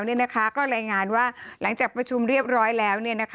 ก็รายงานว่าหลังจากประชุมเรียบร้อยแล้ว